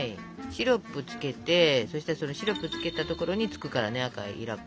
シロップつけてそしたらそのシロップつけたところにつくからね赤いいら粉。